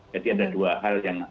jadi ada dua hal yang